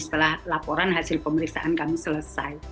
setelah laporan hasil pemeriksaan kami selesai